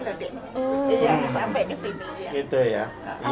jadi sampai ke sini